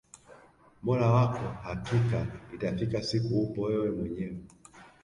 mola wako hakika itafika siku upo wewe mwenyewe